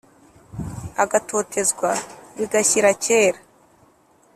agatotezwa bigashyira kera